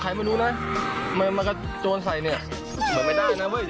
เอย้รถทึกบนวันมันกลางถนนด้วยเนี่ย